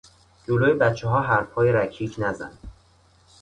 جلو بچهها حرفهای رکیک نزن!